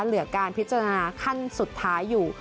เหลือการพิจารณาขั้นสุดท้ายอยู่